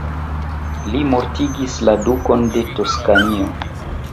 Li mortigis la Dukon de Toskanio.